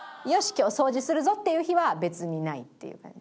今日掃除するぞっていう日は別にないっていう感じ。